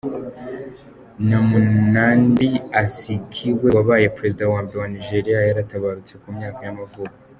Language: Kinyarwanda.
Nnamdi Azikiwe, wabaye perezida wa mbere wa Nigeria yaratabarutse, ku myaka y’amavuko.